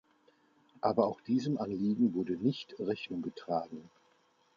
Aber auch diesem Anliegen wurde nicht Rechnung getragen.